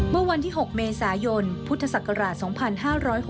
เมื่อวันที่๖เมษายนพุทธศักราช๒๕๖๖